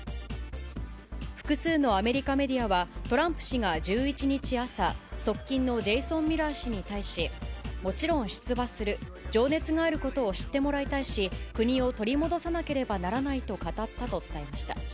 複数のアメリカメディアは、トランプ氏が１１日朝、側近のジェイソン・ミラー氏に対し、もちろん出馬する、情熱があることを知ってもらいたいし、国を取り戻さなければならないと語ったと伝えました。